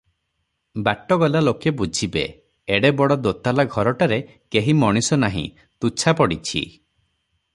ବାଟ ଗଲା ଲୋକେ ବୁଝିବେ, ଏଡେ ବଡ ଦୋତାଲା ଘରଟାରେ କେହି ମଣିଷ ନାହିଁ, ତୁଚ୍ଛା ପଡିଛି ।